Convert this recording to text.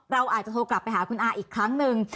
เราอาจจะโทรกลับไปหาคุณอาอีกครั้งหนึ่ง